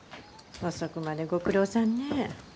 遅くまでご苦労さんね。